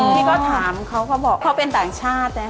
พี่ก็ถามเขาขอบอกเพราะเป็นต่างชาตินะคะ